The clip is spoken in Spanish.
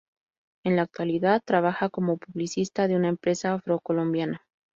En la actualidad, trabaja como publicista de una empresa afrocolombiana.